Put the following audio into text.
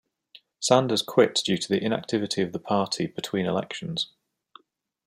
Sanders quit due to the inactivity of the party between elections.